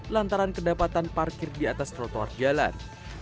lantaran kedapatan parkir di atas trotoar jalan